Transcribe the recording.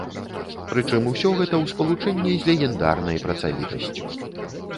Прычым, усё гэта ў спалучэнні з легендарнай працавітасцю.